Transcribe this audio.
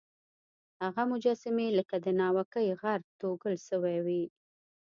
هغه مجسمې لکه د ناوکۍ غر توږل سوی وې.